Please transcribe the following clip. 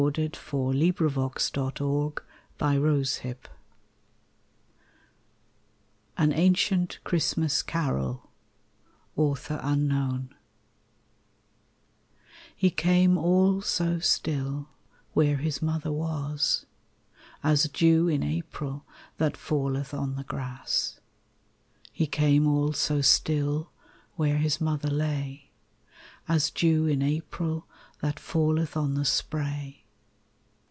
Hilda ConHing (Six years old) RAINBOW GOLD AN ANCIENT CHRISTMAS CAROL HE came all so still Where His mother was, As dew in April That falleth on the grass. He came all so still Where His mother lay, As dew in April That falleth on the spray.